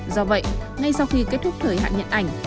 do vậy ngay sau khi kết thúc thời hạn nhận ảnh